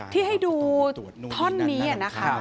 ที่ให้ดูท่อนนี้นะคะ